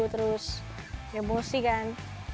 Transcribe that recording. terus emosi kan